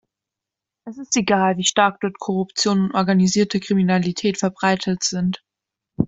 Es ist egal, wie stark dort Korruption und organisierte Kriminalität verbreitet sind.